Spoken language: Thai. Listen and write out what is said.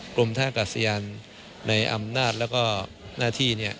กลมท่ากับสยานในอำนาจและหน้าที่